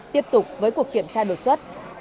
tiếp tục với cuộc kiểm tra đột xuất